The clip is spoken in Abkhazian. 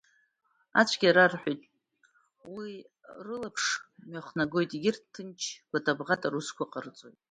Ацәгьа рарҳәоит, уи рылаԥш мҩахнагоит, егьырҭ ҭынч, гәата-бӷата русқәа ҟарҵеит.